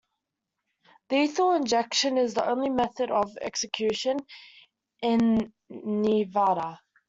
Lethal injection is the only method of execution in Nevada.